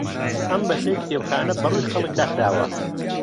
ئەم بەشەی کتێبخانە بەڕووی خەڵک داخراوە.